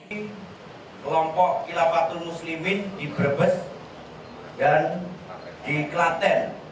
ini kelompok khilafatul muslimin di brebes dan di kelaten